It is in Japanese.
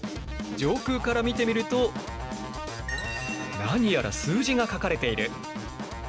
上空から見てみると何やら数字が書かれている。